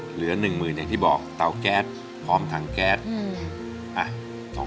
เหลือหนึ่งหมื่นอย่างที่บอกเตาแก๊สพร้อมถังแก๊ส